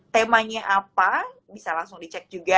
temanya apa bisa langsung dicek juga